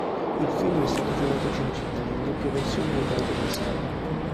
Il film è stato girato a Cinecittà in doppia versione italo-tedesca.